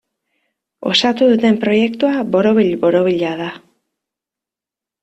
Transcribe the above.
Osatu duten proiektua borobil-borobila da.